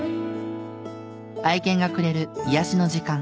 愛犬がくれる癒やしの時間。